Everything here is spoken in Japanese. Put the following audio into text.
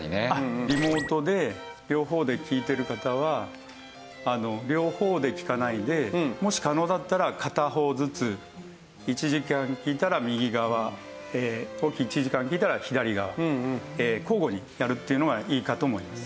リモートで両方で聞いてる方は両方で聞かないでもし可能だったら片方ずつ１時間聞いたら右側１時間聞いたら左側交互にやるっていうのがいいかと思います。